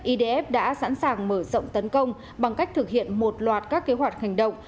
idf đã sẵn sàng mở rộng tấn công bằng cách thực hiện một loạt các kế hoạch hành động